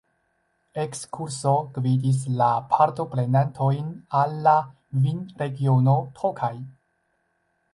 Ekskurso gvidis la partoprenantojn al la vinregiono Tokaj.